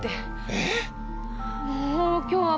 えっ？